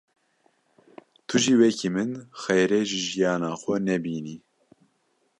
Tu jî wekî min xêrê ji jiyana xwe nebînî.